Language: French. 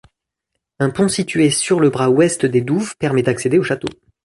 Un pont situé sur le bras ouest des douves permet d'accéder au château.